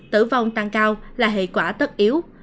tử vong tăng cao là hệ quả tất yếu